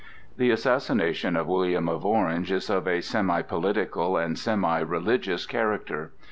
The assassination of William of Orange is of a semi political and semi religious character.